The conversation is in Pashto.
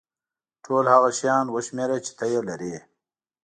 ټول هغه شیان وشمېره چې ته یې لرې.